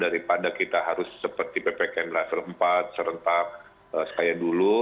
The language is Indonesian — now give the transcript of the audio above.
daripada kita harus seperti ppkm level empat serentak kayak dulu